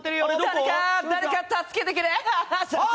誰か助けてくれー！